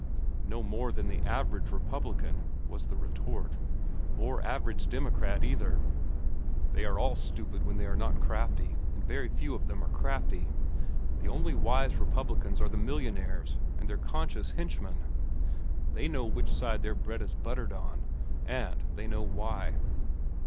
"No more than the average Republican," was the retort, "or average Democrat, either. They are all stupid when they are not crafty, and very few of them are crafty. The only wise Republicans are the millionnaires and their conscious henchmen. They know which side their bread is buttered on, and they know why."